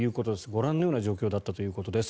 ご覧のような状況だったということです。